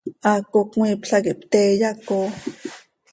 Haaco cmiipla quih pte iyacooo.